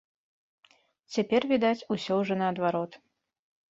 Цяпер, відаць, усё ўжо наадварот.